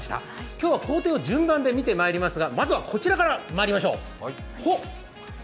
今日は工程を順番で見てまいりますが、まずはこちらからまいりましょう。